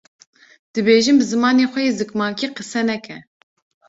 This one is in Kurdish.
dibêjin bi zimanê xwe yê zikmakî qise neke?